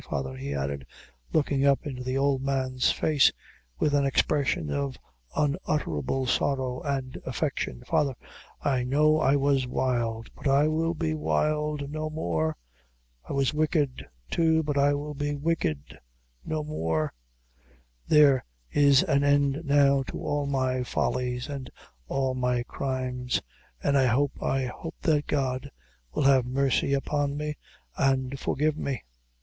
Father," he added, looking up into the old man's face, with an expression of unutterable sorrow and affection "father, I know I was wild; but I will be wild no more. I was wicked, too; but I will be wicked no more. There, is an end now to all my follies and all my crimes; an' I hope I hope that God will have mercy upon me, an' forgive me."